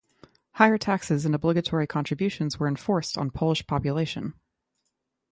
Higher taxes and obligatory contributions were enforced on Polish population.